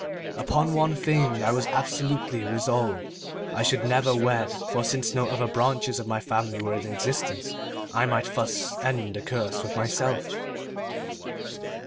Upon one thing I was absolutely resolved. I should never wed, for since no other branches of my family were in existence, I might thus end the curse with myself.